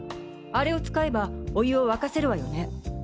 あれを使えばお湯を沸かせるわよね？